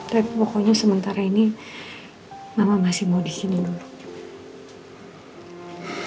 tapi pokoknya sementara ini mama masih mau di sini dulu